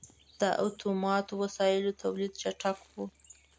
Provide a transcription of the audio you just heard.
• د اتوماتو وسایلو تولید چټک و.